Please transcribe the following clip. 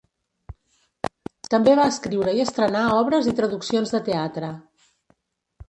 També va escriure i estrenar obres i traduccions de teatre.